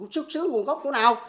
sức sướng nguồn gốc của nào